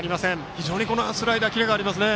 非常にスライダーにキレがありますね。